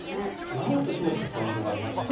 守る時も実はポイントがありまして。